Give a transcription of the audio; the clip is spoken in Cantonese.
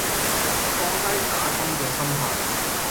放低打工嘅心態